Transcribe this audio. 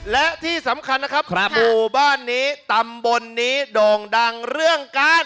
และที่สำคัญนะครับหมู่บ้านนี้ตำบลนี้โด่งดังเรื่องการ